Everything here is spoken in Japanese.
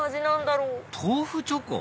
豆腐チョコ？